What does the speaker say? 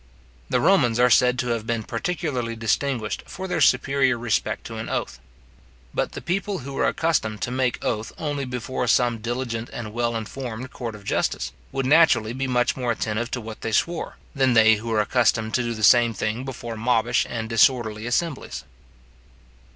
The Romans are said to have been particularly distinguished for their superior respect to an oath. But the people who were accustomed to make oath only before some diligent and well informed court of justice, would naturally be much more attentive to what they swore, than they who were accustomed to do the same thing before mobbish and disorderly assemblies.